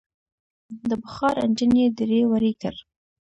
د بخار انجن یې دړې وړې کړ.